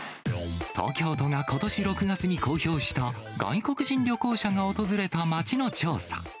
東京都がことし６月に公表した、外国人旅行者が訪れた街の調査。